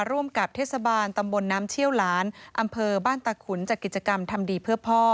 ร่วมกับเทศบาลตำบลน้ำเชี่ยวหลานอำเภอบ้านตะขุนจัดกิจกรรมทำดีเพื่อพ่อ